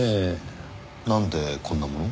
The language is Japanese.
なんでこんなものを？